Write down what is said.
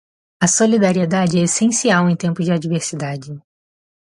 A solidariedade é essencial em tempos de adversidade.